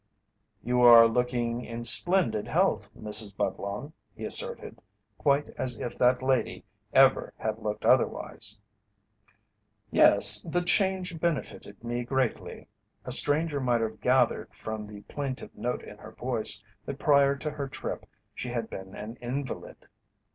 "You are looking in splendid health, Mrs. Budlong," he asserted, quite as if that lady ever had looked otherwise. "Yes, the change benefited me greatly." A stranger might have gathered from the plaintive note in her voice that prior to her trip she had been an invalid.